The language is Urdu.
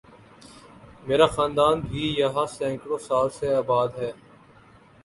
میرا خاندان بھی یہاں سینکڑوں سال سے آباد ہے